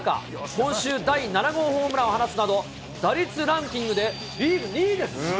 今週、第７号ホームランを放つなど、打率ランキングでリーグ２位です。